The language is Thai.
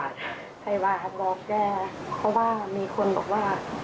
ใครว่าบอกแกเพราะว่ามีคนบอกว่า